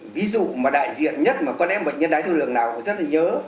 ví dụ mà đại diện nhất có lẽ bệnh nhân đáy thao đường nào cũng rất là nhớ